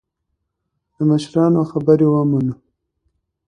د مشرانو خبرې ومنو.